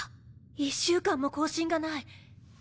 １週間も更新がない。